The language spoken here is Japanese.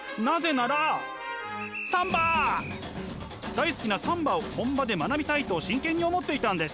大好きなサンバを本場で学びたいと真剣に思っていたんです。